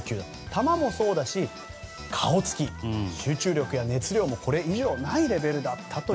球もそうだし、顔つき、集中力や熱量もこれ以上ないレベルだったと。